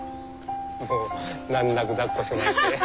難なくだっこしてもらって。